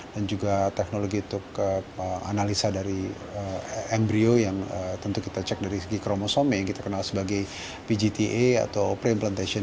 dan juga teknologi untuk analisa dari embryo yang tentu kita cek dari segi kromosom yang kita kenal sebagai pgta atau pre implantation